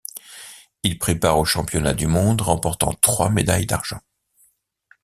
Il a pris part aux championnats du monde remportant trois médailles d'argent.